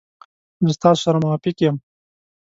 زه ستاسو سره موافق یم.